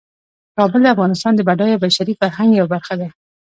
کابل د افغانستان د بډایه بشري فرهنګ یوه برخه ده.